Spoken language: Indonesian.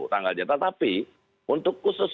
tanggal dia tetapi untuk khusus